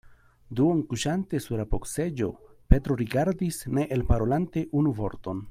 Duonkuŝante sur apogseĝo, Petro rigardis, ne elparolante unu vorton.